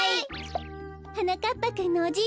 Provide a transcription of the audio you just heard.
はなかっぱくんのおじい